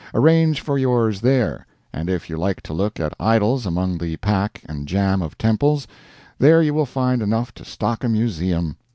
Arrange for yours there. And if you like to look at idols among the pack and jam of temples, there you will find enough to stock a museum.